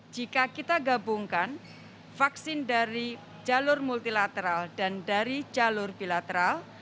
jika kita gabungkan vaksin dari jalur multilateral dan dari jalur bilateral